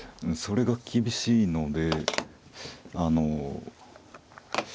それが厳しいのであの。